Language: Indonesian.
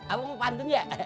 abang mau pantun ya